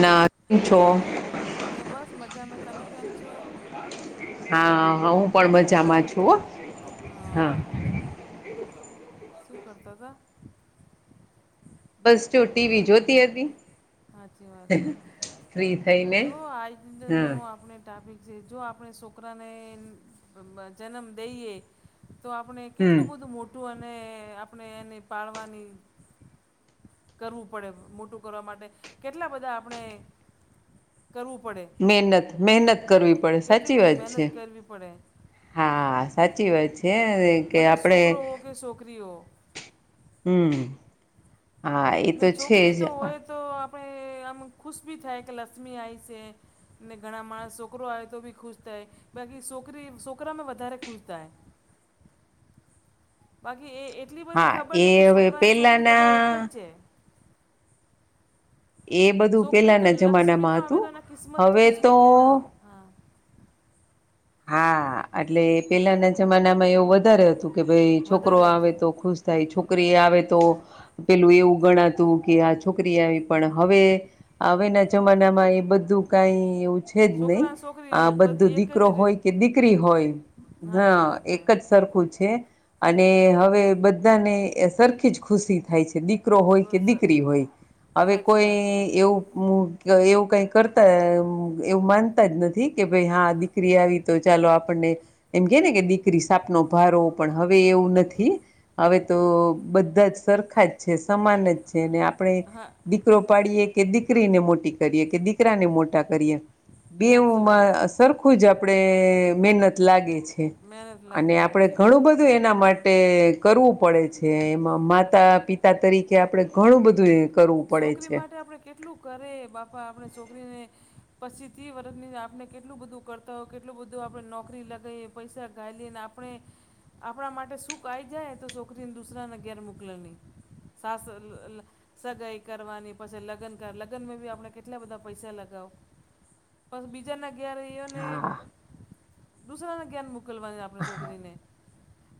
ના છો. કે બસ મજા મે તમે કેમ છો. હા હું પણ મજામાં છુ. હા, શું કરતો તો? બસ ચો ટીવિ જોતી હતી. હાચી વાત હે, ફ્રી થઈને જો આજ દન નો હા આપડો ટાપિક જે જો આપણે શોકરાને જન્મ દઈએ તો આપણે હમ કેટલું બધું મોટું અને આપણે એને પાળવાની કરવું પડે, મોટું કરવા માટે, કેટલા બધા આપણે કરવું પડે. મહેનત મહેનત કરવી પડે કેટલી સાચી બધી વાત છે. મહેનત કરવી પડે હા સાચી વાત છે, અને કે આપડે ક છોકરીઓ હમ્મ હા, એ તો ને છે છોકરી જ તો હોય તો આપણે આમ ખુશ બી થાય કે લક્ષ્મી આઈ છે. નને ઘણાં માણસ શોકરો આવે તો બી ખુશ થાય, બાકી શોકરી શોકરામાં વધારે ખુશ થાય. બાકી એ એટલી બધી હા ખબર એ ને કે હવે શોકરા અને શોકરી બધા પેલાના એકજ છે. એ બધું શોકરી તો પેલાના લક્ષ્મી જમાનામાં તો આવે હતું તોના કિસ્મત હવે તો કિસ્મત લેના હા હા, એટલે પેલાના જમાનામાં એવું વધારે હતું કે, ભાઈ છોકરો વધારે આવે હતું તો ખુશ થાય, છોકરી આવે તો પેલું એવું ગણાતું કે આ છોકરી આવી, પણ હવે હવે ના જમાનામાં એ બધું કઈ એવું છે જ નહી, છોકરા અને આ છોકરી બધી બધું એક જ દીક કરો હોય રીત કે દીકરી હોય, સાચી વાત હ હે એકજ સરખું છે, અને હવે બધાને એ સરખી જ ખુશી થાય છે, દી કરો હોય કે સાચી દીકરી હોય, હવે વાત હે કોઈ એવું મુ એવું કઈ કરતા અ એવું માનતા જ નથી કે ભાઈ હા દીકરી આવી તો ચાલો આપણને, એમ કે ને કે દીકરી સાપનો ભારો પણ હવે એવું નથી, હવે તો બધાજ સરખાજ છે, સમાન જ છે. આપણે હા દીકરો પાડીએ કે દીકરીને મોટી કરીએ કે દીકરાને મોટા કરીએ સાચી વાત બેવુંમાં હે સરખું જ આપડે મહેનત લાગે. છે, મહેનત અને લાગી જાય આપડે સાચી વાત ઘણું બધું બધું એના માટે કરવું પડે છે, એમાં માતા પિતા તરીકે આપણે ઘણું બધું કરવું પડે શોકરી છે. માટે આપણે કેટલું કરે બાપા આપણે શોકરીને પચી તિ વર્ષની આપણે કેટલું બધું કરતા હોય, કેટલું બધું આપણે નોકરી લગાવએ પૈસા ઘાલીએને આપ પણે આપણા માટે સુખ આવી જાય તો છોકરીને દુસરાને ઘેર મોકલે નહીં સાસુ ન ન સગાાઈ કરવાની, પછી લગ્નકાર, લગ્નમાં બી આપણે કેટલા બધા પૈસા લગાવો. પણ બીજાના ઘેરેએ એને, હા દુસરા ના ઘેર મોકલવાની આપની શોકરીને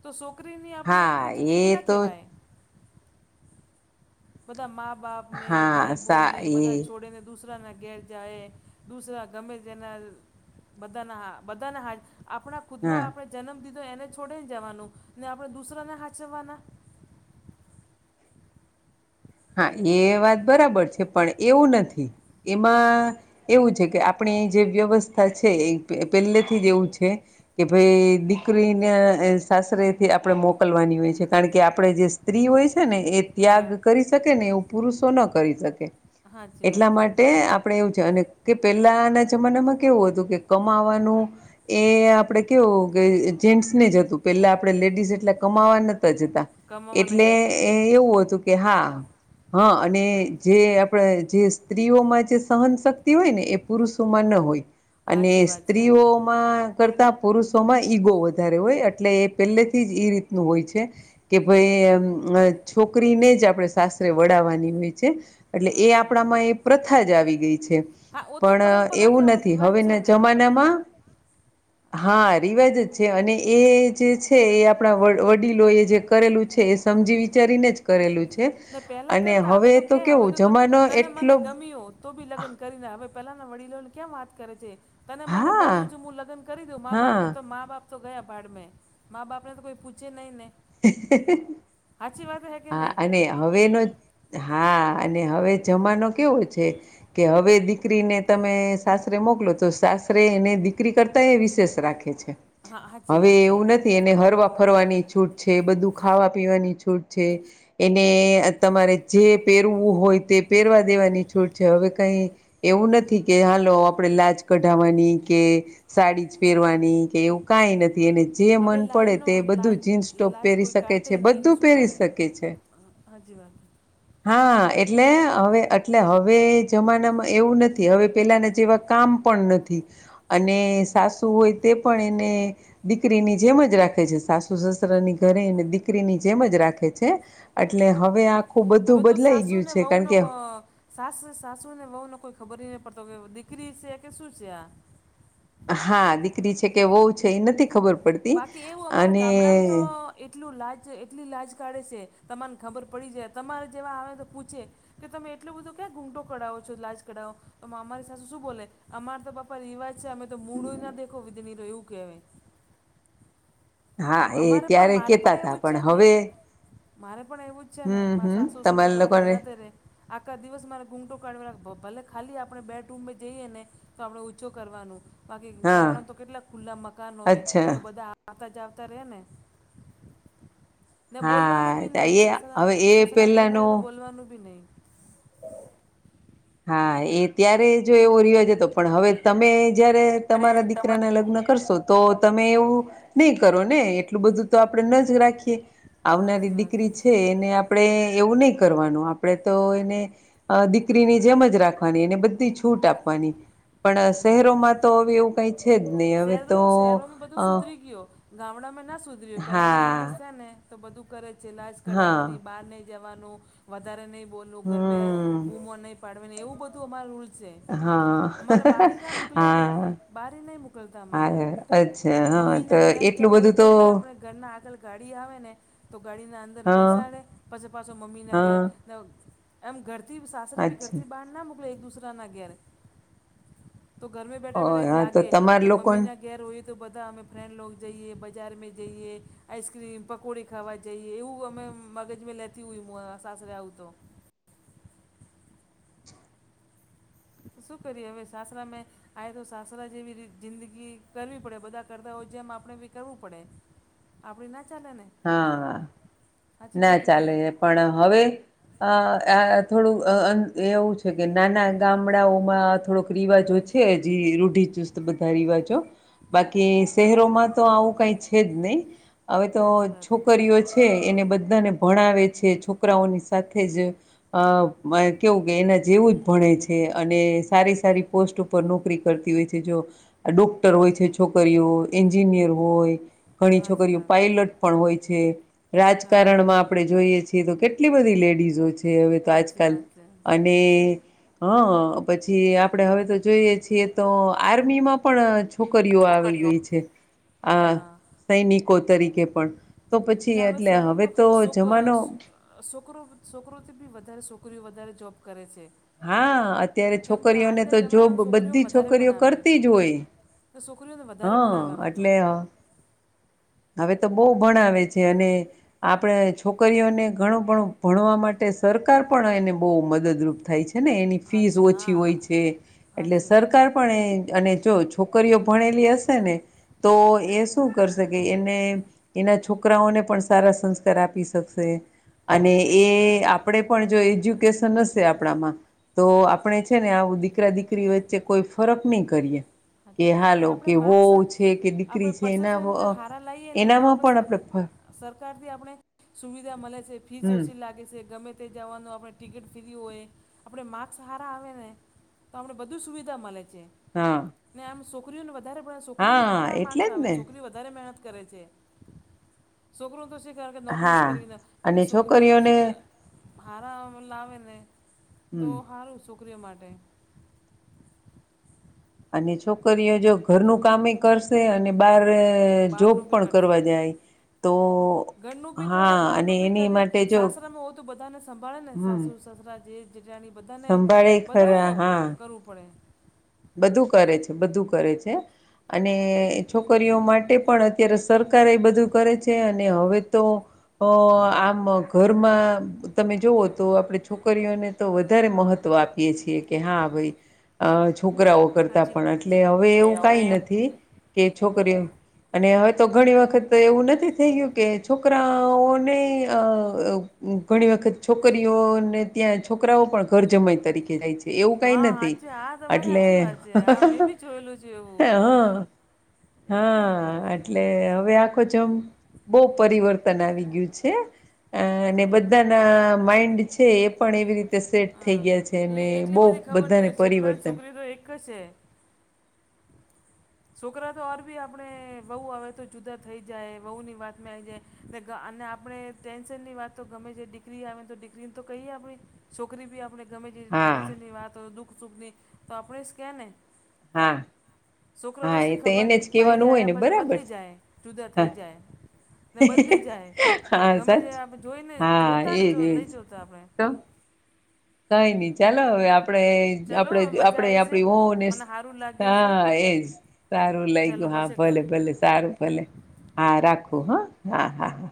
તો શોકરીની આપણે હા કોઈ એ જિંદગી ના તો કહેવાય. બધા મા-બાપ ને હા સા ભાઈ-બુનને એ બધા છોડેને દૂસરાના ઘેર જાય, દૂસરા ગમે તેના બધાના હા બધાના હાચ આપણા ખુદના હા આપણે જન્મ દીધો એને છોડીને જવાનું, ને આપણે દુસરાને હાચવવાના. હા એ વાત બરાબર છે, પણ એવું નથી, એમાં. એવું છે કે આપણી જે વ્યવસ્થા છે, એ એ પહેલેથી જ એવું છે. કે ભાઈ દીકરીને એ સાસરેથી આપણે મોકલવાની હોય છે, કારણ કે આપડણે જે સી સ્ત્રી હોય છે ને એ હા ત્યાગ કરી શકે ને એવું પુરુષો ન કરી શકે. સાચી વાત એટલા છે માટે આપ આપડણે એવું છે અને કે પેલાના જમાનામાં કેવું હતું કે કમાવાનું. એ આપણેે કેવું કે જેન્ટ્સને જ હતું પેલા આપણે લેડીઝ એટલા કમાવા નહતા જતા. કમાવા નહીં એટલે જતી આ. એવું હતું કે, હા. હા અને જે આપણા જે સ્ત્રીઓમાં જે સહનશક્તિ હોય ને એ. પુરુષોમાં ન હોય, અને સાચી વાત છે આ તો સ્ત્રીઓમાં. કરતા પુરુષોમાં ઈગો વધારે હોય, એટલે એ પહેલેથી જ એ રીતનું હોય છે. કે ભાઈ છોકરીને જ. આપણે સાસરે વડાવાની હોય છે એટલે એ અચ્છા આપણામાં એ પ્રથા જ આવી ગઈ છે. હા ઓ તો પણ પરંપરાથી એવું આપણે નથી રિવાજ છે હવેના ને જમાનામાં. હા રિવાજ જ છે અને એ જે છે એ આપણા વડીલો એ જે કરેલું છે એ. સમજી વિચારીને જ કરેલું છે. ને પેલા અને કરતા હ હવે તો ક આવે કેવું તો જમાનો તને એટલો મને ગમ્યો. તો બી લગ્ન કરીને હવે પેલાના વડીલોની ક્યાં વાત કરે છે. તને મને હા ગમ્યું છુ હું લગ્ન કરી દઉં મા બાપ હા ને તો મા બાપ. તો ગયા પાડ મે મા બાપ ને તો કોઈ પૂછે નહી ને. [inaudible] હાચી વાત હે કે હા નહીં. અને હવેનો હા અને હવે જમાનો કેવો છે કે હવે દી. દીકરીને તમે સાસરે મોકલો તો સાસરે એને દીકરી કરતા એ વિશેષ રાખે છે. હા સાચી વાત હવે છે એવું નથી એને હરવા ફરવાની છૂટ છે બધું ખાવા પીવાની છૂટ છે. છે. એને તમારે જે પહેરવું હોય તે પહેરવા દેવાની છૂટ છે હવે કઈ. એવું નથી કે હાલો આપણેે લાજ કઢવાની કે. સાડી જ પહેરવાની કે એવું કઈ નથી એને. જે હવે મન પડે લાજનો તે બધું લાજ જીન્સ ટોપ લાજ પહેરી કોઈ શકે છે કાઢતે નહીં ને બધું શું પહેરી. કાઢેલા શકે છે. સાચી [inaudible] હા એટલે હવે એટલે હવે જમાનામાં એવું નથી હવે પેલાના જેવા કામ. પણ નથી અને સાસુ હોય તે પણ એને. દીકરીની જેમ જ રાખે છે સાસુ સસરા ની ઘરે અને દીકરીની જેમ જ રાખે છે. એટલે સાચી હવે આખું વાત બધું હવે તો બદલાઈ સાસુ ગયું ને છે. વહુ કારણ ન. કે સાસુ સાસુ ને વહુ ને કોઈ ખબર નહી પડતો કે દીકરી છે કે શું છે આ. હા દીકરી છે કે વહુ છે એ નથી ખબર. પડતી બાકી એવું અમારા અને ગામડામાં તો. એટલું લાજ એટલી લાજ કાઢે છે તમાને ખબર પડી જાય તમારે જેવા આવે તો પૂછે કે તમે એટલો બધું ક્યાં ઘૂંટો કરઢાવો છો લાજ કરઢાવો તો અમારી સાથે શું બોલે અમાર તોપ. રિવાજ છે અમે તો મૂળો ના દેખો વિધણી રો એવું કહેવાય. આ હા, એ અમારે પણ ત્યારે મારે કેતા પણ તા એવું જ છે ને. હવે મારે પણ એવું જ છે ને હમ્મ, મારે હમ્મ સાસુ સસરા તમારા બધા લોકોને હાંગાત રે આખા દિવસ મારે ઘૂંટો કાઢ ભલે ખાલી આપણે બેડ રૂમમાં જઈએ ને તો આપણે ઉંચો કરવાનું. બાકી હા, ગામડામાં તો કેટલાક ખુલ્લાં મકાન હોય અચ્છા તો બધા આતા જાવતા તરેને ને બોલવાનું હા, બી નહીં એ સસરા હવે એ સસરા ઘરમે રહે પેલાનો તો બોલવાનું બી નહીં. હા એ ત્યારે જો એવો રિવાજ હતો પણ હવે તમે જયારે. તમારા દીકરા ના લગ્ન કરશો તો તમે એવું નહીં કરો ને એટલું બધું. તો આપણે ન જ રાખીએ આવનારી સાચી વાત હે દીકરી છે એને આપણે એવું નહી કરવાનું આપણેે તો એને દીકરીની જેમ જ રાખવાની એને બધ છૂટ આપવાની પણ સાચી વાત હે શહેરોમાં તો હવે એવું કઈ છે જ નહી હવે શહેરો તો શહેરોમાં બધું અ સુધરી ગયો ગામડામાં ના સુધર્યું પેલાના હા માણસ છે ને તો બધું કરે છે લાજ કઢાવવાની હા બહાર નઈ જવાનું, વધારે નહીં બોલવું, ઘરમે હમ બૂમો નહીં પાડવેની એવું બધું અમારે રૂલ છે. હા. અમારે બારી ના મોકલે ને હા બારી નહી મોકલતા અમાને હા અચ્છા હા મમ્મી તો ના ઘેર એટલું જવું. બધું તો બી આપણે ઘરના આગળ ગાડી આવે ને તો ગાડીના અંદર હા બેસાડે પાછી પાછો મમ્મીના ઘ હા એમ ઘરથી સાસરે ભી અચ્છા ઘરથી બહાર ના મોકલે એક દૂસરાના ઘેરે તો ઘરમે ઓ બેઠા બેઠા એવું હા તો લાગે તમાર કે મમ્મી લોકોને ના ઘેર હોયએ તો બધા અમે ફ્રેન્ડલોક જઈએ બજારમાં જઈએ આઈસક્રીમ પકોડે ખાવા જઈએ એવું અમે મગજમાં લેતી હોય સાસરે આવું તો શું કરીયે હવે સાસરા મેં આય સાસરા જેવી રીત જિંદગી કરવી પડે બધા કરતા હોય જેમ આપણે બી કરવું પડે. આપડી ના ચાલે ને. હા સાચી ના વાત હે કે ચાલે નહીં પણ હવે આ આ થોડુંક અ અન એવું છે કે નાના ગામડાઓમાં થોડોક રિવાજો છે. છે હજી રૂઢીચુસ્ત વધા રિવાજો. બાકી શહેરોમાં તો આવું કઈ છે જ નહી હવે સાચી તો વાત હે છોકરીઓ છે એને બધાને ભણાવે છે છોક છોકરાઓની સાથે જ અ કેવું કે એના જેવું જ ભણે છે અને સારી સારી પોસ્ટ ઉપર નોકરી કરતી હોય છે જો ડોક્ટર હોય છે છોકરીઓ, એન્જિનિયર હોય. ઘણી સાચી છોકરીઓ વાત હે પાયલટ પણ હોય છે. હા રાજકારણમાં આપણે જોઈએ છીએ તો કેટલ એટલી બધી લેડીઝો છે હવે તો સાચી આજકાલ વાત છે અન અને હ પછી આપણેે હવે તો જોઈએ છીએ તો આર્મીમાં પણ છોકરીઓ આવી ગઈ છે આ હા સૈનિકો તરીકે પણ. તો પછી ને એટલે હવે તો જમાનો સોકરો સોકરોથી બી વધારે સોકરીઓ વધારે જોબ કરે છે. હા અત્યારે કેમ કે છોકરીઓને તો આજના જોબ જમાનામાં છોકરીઓ બધી વધારે છોકરીઓ ભણાવે કરતી જ હોય. તો છોકરીઓને વધારે ભણાવે હા હવે તો. એટલે હવે તો બહુ ભણાવે છે અને આપણે છોકરીઓને ઘણું પણું ભણવા માટે સરકાર પણ એને બહુ મદદરૂપ થાય છે ને એની ફીસ હાચી હા ઓછી હોય હા છે. એટલે સાચી વાત હે સરકાર પણ એ અને જો છો. છોકરીઓ ભણેલી હશે ને તો એ શું કરશે. ને એના છોકરાઓને પણ સારા સંસ્કાર આપી શકશે અને સાચી એ વાત હે આપ આપડે પણ જો એજ્યુકેશન હશે આપણામાં તો આપણે છે ને આવું દીકરા દીકરી હોય વચ્ચે કોઈ ફરક નહી કરીએ હાચી કે અરે હાલો આપણે કે માર્ક્સ વહું છે કે દીકરી છે એના વ અ ના લઈએ ને તો આપણે સરખ સરકારથી આપણે સુવિધા મળે છે ફીસ હમ ઓછી લાગે છે ગમે તે જવાનું આપણે ટિકિટ ફ્રી હોય આપણે માર્ક્સ હારા આવે ને તો આપણે બધું સુવિધા મળે છે. હા. ને આમ છોકરીઓને વધારે ભણાવે છોકરીઓને હા સારા માર્ક્સ એટલે જ આવે ને છે છોકરીઓ વધારે મહેનત કરે છે. સોકરોઓનું તો શી કારણ કે નોકરી જ હા કરવી ના અને બાકી સોકરીઓ તો છોકરીઓને શું અ હારા લાવે ને તો હમ હારું સોકરીઓ માટે. અને છોકરીઓ જો ઘરનું કામ કરશ કરશે અને બાર જોબ બહારનું બી પણ કરશે કરવા જાય. તો ઘરનું ભી હા કરે અને બારનું ભી એની કરે માટે જો સાસરામે હોવ તોું બધાને સંભાળે ને હમ સાસુ સસરા, જેટ, જેટાણી બધાને સંભાળે બધાઉ ખરા હા કરવું પડે. બધું કરે છે બધું કરે છે. અને છોકરીઓ માટે પણ અત્યારે સરકાર એ બધું કરે છે અને હવે તો અ આમ ઘરમાં તમે જોઓ તો આપણેે છોકરીઓને તો વધારે મહત્વ આપીએ છીએ કે હા ભાઈ અ છોકરાઓ કરતા પણ એટલે હવે એવું કઈ નથી કે છોકરીઓ અને હવે તો ઘણી વખત એવું નથી થઈ ગયું કે છોકરાઓને અ ઘણી વખત છોકરીઓને ત્યાં છોકરાઓ પણ ઘર જમાય તરીકે જાય છે. એવું કઈ હા નથી સાચે હા તમારી એટલે સાચી વાત છે હા મેં બી જોયેલું છે એવું હા. એવું કેમ હા કરે છે એટલે હવે આખો જમ બહું પરિવર્તન આવી ગયું છે. છે. અ અને હા બધાના માઈન્ડ છે એ પણ એવી રીતે સેટ થઈ હા ગયા છે, અને બહ બધાને પરિવર્તન. પ તો એક કશે છે. છોકરા તો અર બી આપણે વહુ હવે તો જુદા થઈ જાય વહુ ની વાત મે આવી જાય. ને અને આપણે ટેન્શન ની વાત તો ગમે છે દીકરી આવેને તો દીકરીને તો કહીએ આપ. છોકરી બી આપણે ગમે તે હા ટેન્શનની વાત હોય દુઃખ સુખની, તો આપણે જ ક ને. હા. છોકરો હા એ શી તો ખબર એને જ બાયરે કેવાનું હોય આવ્યા ને પછી બરાબર બદલી છે, જાય જુદા થઈ હા. જાય ને બદલી જાય હા ગમે સચ તે આપણે જોઈને હા જોતા ને એજ જો એજ, નહીં જોતા આપણે તો કઈ નહી ચાલો હવે આપડે ચલો આપણે મજા આપડે આવી છે આપડી હો ને મને સારું લાગ્યું છે હા એજ. સારું ચલો લાયગું, હા પછી કરું ભલે-ભલે સારું ભલે. હા રાખું હા. હા, હા, હા.